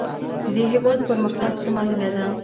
د هيواد پرمختګ زما هيله ده.